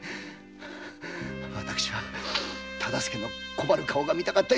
私は忠相の困る顔が見たかった！